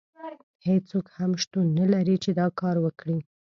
هیڅوک هم شتون نه لري چې دا کار وکړي.